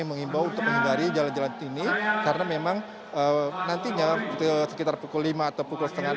mengimbau untuk menghindari jalan jalan ini karena memang nantinya sekitar pukul lima atau pukul setengah enam